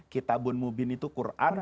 kitabun mubin itu quran